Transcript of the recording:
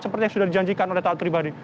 seperti yang sudah dijanjikan oleh taat pribadi